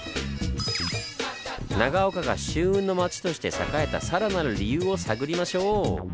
長岡が舟運の町として栄えたさらなる理由を探りましょう！